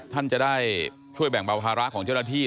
ท่านจะได้ช่วยแบ่งเบาภาระของเจ้าหน้าที่